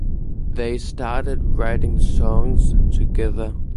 They started writing songs together.